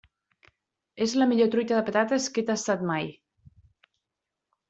És la millor truita de patates que he tastat mai.